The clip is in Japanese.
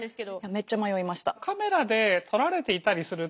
めっちゃ迷いました。